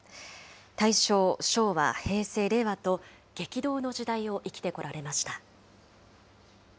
大正、昭和、平成、令和と、激動の時代を生きてこられました。